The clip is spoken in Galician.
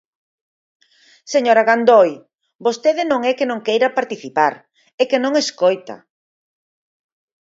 Señora Gandoi, vostede non é que non queira participar, é que non escoita.